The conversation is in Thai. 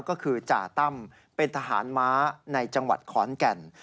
ก็คือจ่าตั้มเป็นทหารม้าในจังหวัดขอนแก่น